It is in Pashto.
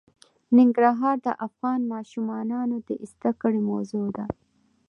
ننګرهار د افغان ماشومانو د زده کړې موضوع ده.